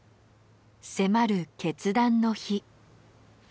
迫る決断の日。